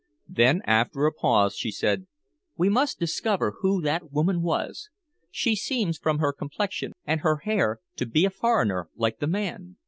Then after a pause she said: "We must discover who that woman was. She seems, from her complexion and her hair, to be a foreigner, like the man."